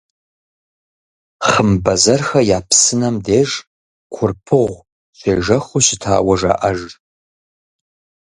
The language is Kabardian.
«Хъымбэзэрхэ я псынэм» деж Курпыгъу щежэхыу щытауэ жаӏэж.